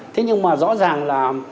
thế nhưng mà rõ ràng là